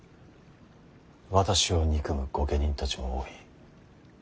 私を憎む御家人たちも多い。